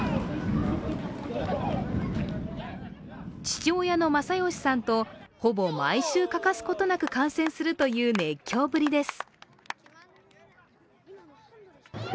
父親の正佳さんとほぼ毎週、欠かすことなく観戦するという熱狂ぶりです。